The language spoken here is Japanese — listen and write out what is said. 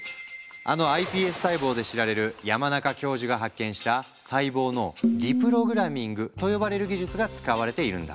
あのｉＰＳ細胞で知られる山中教授が発見した細胞のリプログラミングと呼ばれる技術が使われているんだ。